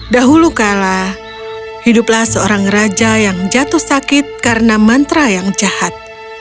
dahulu kala hiduplah seorang raja yang jatuh sakit karena mantra yang jahat